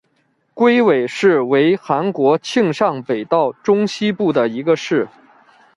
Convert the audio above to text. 龟尾市为韩国庆尚北道中西部的一个市。